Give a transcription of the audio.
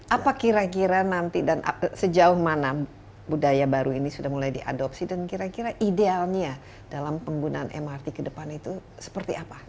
apa kira kira nanti dan sejauh mana budaya baru ini sudah mulai diadopsi dan kira kira idealnya dalam penggunaan mrt ke depan itu seperti apa